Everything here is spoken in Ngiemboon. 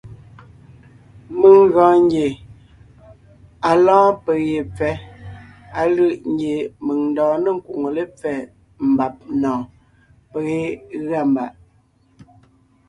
Mèŋ gɔɔn ngie à lɔ́ɔn peg ye pfɛ́, á lʉ̂ʼ ngie mèŋ ńdɔɔn ne ńkwóŋo lépfɛ́ mbàb nɔ̀ɔn, peg yé gʉa mbàʼ.